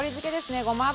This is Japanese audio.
ごま油。